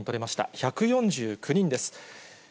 １４９人です。